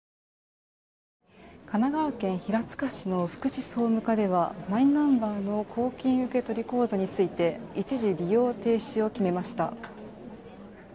神奈川県平塚市の福祉総務課ではマイナンバーの公金受取口座について一時利用停止を決めました。